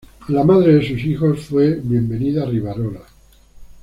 La madre de sus hijos fue Bienvenida Rivarola.